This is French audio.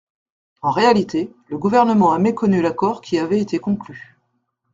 En réalité, le Gouvernement a méconnu l’accord qui avait été conclu.